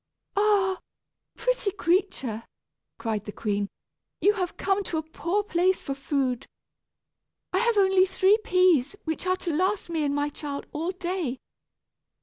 "Ah! pretty creature," cried the queen, "you have come to a poor place for food. I have only three peas, which are to last me and my child all day.